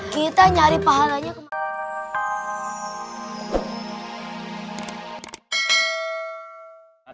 kita nyari pahalanya